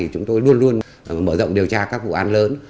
chúng tôi luôn luôn mở rộng điều tra các vụ an lớn